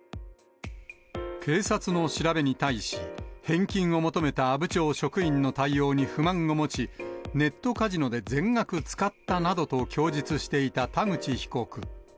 警察の調べに対し、返金を求めた阿武町職員の対応に不満を持ち、ネットカジノで全額使ったなどと供述していた田口被告。